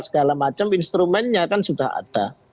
segala macam instrumennya kan sudah ada